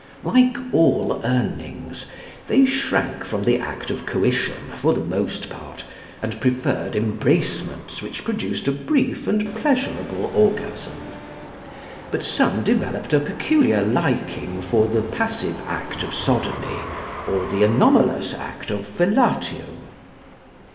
Like all Urnings, they shrank from the act of coition for the most part, and preferred embracements which produced a brief and pleasurable orgasm. But some developed a peculiar liking for the passive act of sodomy or the anomalous act of fellatio.